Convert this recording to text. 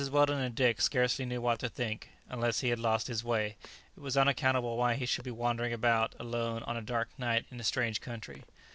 Weldon and Dick scarcely knew what to think; unless he had lost his way; it was unaccountable why he should be wandering about alone on a dark night in a strange country.